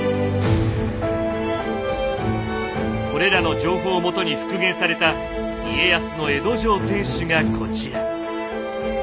これらの情報をもとに復元された家康の江戸城天守がこちら。